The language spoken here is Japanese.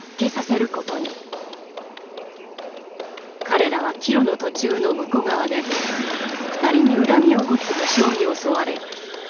彼らは帰路の途中の武庫川で２人に恨みを持つ武将に襲われ一族